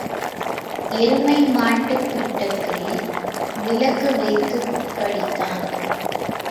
எருமை மாட்டுப் பிட்டத்தில் விளக்கு வைத்துப் படித்தான்.